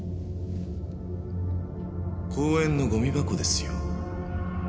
公園のゴミ箱ですよ。